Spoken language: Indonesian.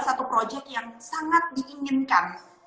satu proyek yang sangat diinginkan